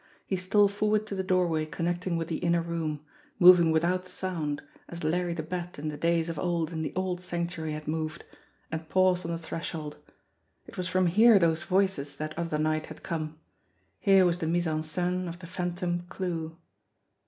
He stole forward to the doorway connecting with the inner room, moving without sound, as Larry the Bat in the days of old in the old Sane* tuary had moved, and paused on the threshold. It was from here those voices that other night had come; here was the mis i en scene of the phantom clue.